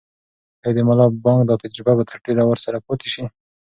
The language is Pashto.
آیا د ملا بانګ دا تجربه به تر ډېره ورسره پاتې شي؟